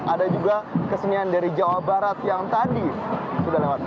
ada juga kesenian dari jawa barat yang tadi sudah lewat